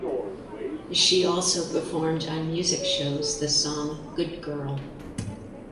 She also performed on music shows the song Good Girl.